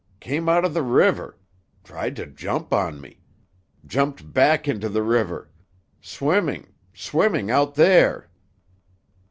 Came out of the river. Tried to jump on me. Jumped back into the river. Swimming—swimming out there."